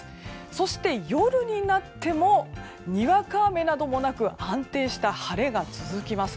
そして、夜になってもにわか雨などもなく安定した晴れが続きます。